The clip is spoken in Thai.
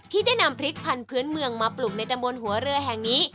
ที่ได้นำพริกพันธุ์เผื้อนเมืองมาปลุกในตำบวนหัวเรือแห่งนี้